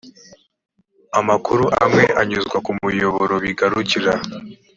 amakuru amwe anyuzwa ku muyoboro bigarukira